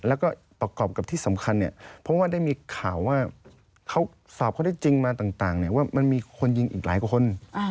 แล้วก็ประกอบกับที่สำคัญเนี่ยเพราะว่าได้มีข่าวว่าเขาสอบเขาได้จริงมาต่างว่ามันมีคนยิงอีกหลายกว่าคน